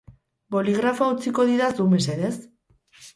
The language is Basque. Boligrafoa utziko didazu, mesedez?